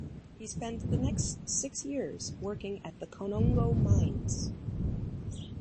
He spent the next six years working at the Konongo mines.